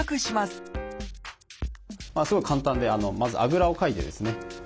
すごい簡単でまずあぐらをかいてですね